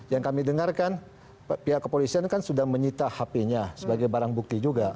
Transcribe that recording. yang kami dengarkan pihak kepolisian kan sudah menyita hp nya sebagai barang bukti juga